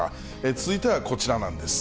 続いてはこちらなんです。